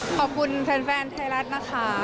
ขอบคุณแฟนไทยรัฐนะคะ